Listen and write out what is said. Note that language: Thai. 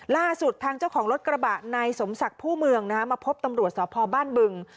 ล่าสุดทางเจ้าของรถกระบะนายสมศักดิ์ผู้เมืองมาพบตำรวจสพบ้านบึง